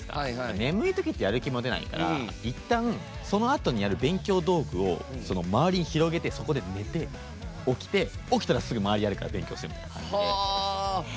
眠いときってやる気も出ないからいったん、そのあとにやる勉強道具を周りに広げて、そこに寝て起きたら置いてあるからすぐに勉強するとか。